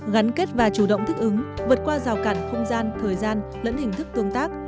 gắn kết và chủ động thích ứng vượt qua rào cản không gian thời gian lẫn hình thức tương tác